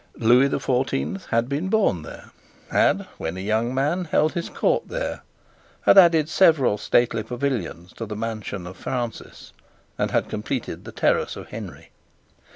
Lewis the Fourteenth had been born there, had, when a young man, held his court there, had added several stately pavilions to the mansion of Francis, and had completed the terrace of Henry.